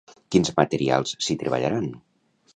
Quins materials s'hi treballaran?